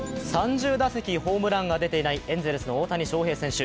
３０打席ホームランが出ていないエンゼルスの大谷翔平選手。